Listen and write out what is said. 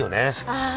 ああ